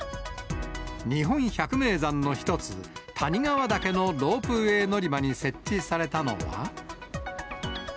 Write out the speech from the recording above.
日本百名山の一つ、谷川岳のロープウエー乗り場に設置されたのは。